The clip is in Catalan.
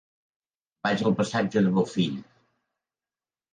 Vaig al passatge de Bofill.